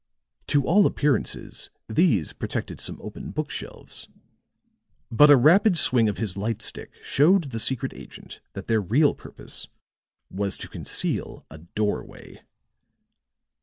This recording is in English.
To all appearances these protected some open book shelves, but a rapid swing of his light stick showed the secret agent that their real purpose was to conceal a doorway.